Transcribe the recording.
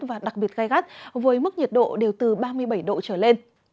và đặc biệt gai gắt với mức nhiệt độ đều từ ba mươi bảy độ trở lên